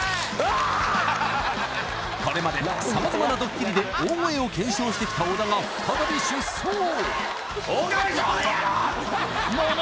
これまでさまざまなドッキリで大声を検証してきた小田が再び出走「オオカミ少年」やろ！